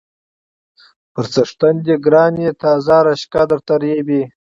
_پر څښتن دې ګران يې، تازه رشقه درته رېبي.